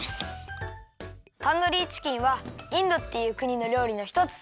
タンドリーチキンはインドっていうくにのりょうりのひとつ。